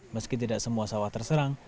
meski tidak semua sawah terserang